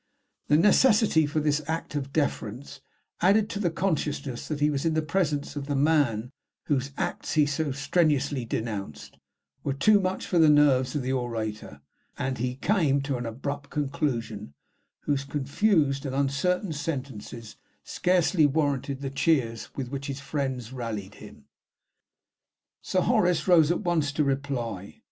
The necessity for this act of deference, added to the consciousness that he was in presence of the man whose acts he so strenuously denounced, were too much for the nerves of the orator, and he came to an abrupt conclusion, whose confused and uncertain sentences scarcely warranted the cheers with which his friends rallied him. "Sir Horace rose at once to reply.